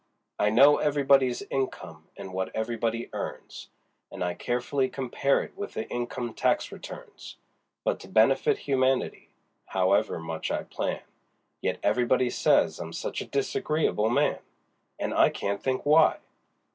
I know everybody's income and what everybody earns, And I carefully compare it with the income tax returns; But to benefit humanity, however much I plan, Yet everybody says I'm such a disagreeable man! And I can't think why!